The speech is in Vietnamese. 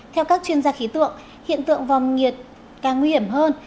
theo các chuyên gia khí tượng hiện tượng vòng nhiệt càng nguy hiểm hơn